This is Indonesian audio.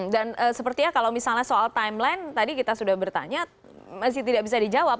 dan sepertinya kalau misalnya soal timeline tadi kita sudah bertanya masih tidak bisa dijawab